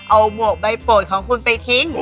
เอาหมวกใบโปรดของคุณไปทิ้ง